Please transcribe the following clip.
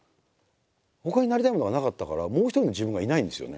ほかになりたいものがなかったからもう一人の自分がいないんですよね。